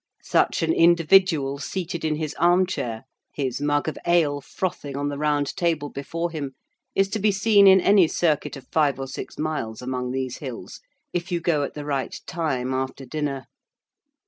Such an individual seated in his arm chair, his mug of ale frothing on the round table before him, is to be seen in any circuit of five or six miles among these hills, if you go at the right time after dinner.